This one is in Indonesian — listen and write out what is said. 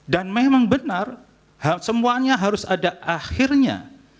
dan memang benar semuanya harus ada akhirnya